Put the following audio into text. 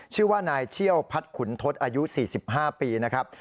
ชื่อว่านายเชี่ยวพัดขุนทศอายุ๔๕ปีนะครับ